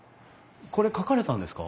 これ描かれたんですか？